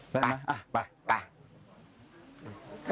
ได้ไหมอ่ะไป